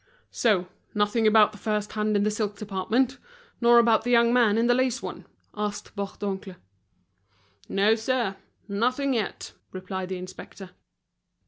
"So, nothing about the first hand in the silk department, nor about the young man in the lace one?" asked Bourdoncle. "No, sir, nothing yet," replied the inspector.